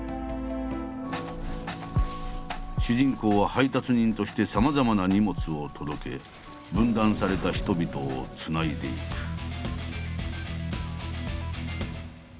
主人公は配達人としてさまざまな荷物を届け分断された人々を繋いでいく。